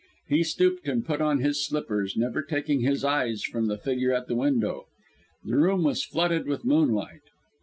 He stooped and put on his slippers, never taking his eyes from the figure at the window. The room was flooded with moonlight.